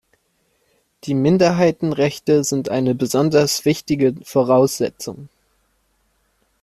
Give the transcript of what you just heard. Die Minderheitenrechte sind eine besonders wichtige Voraussetzung.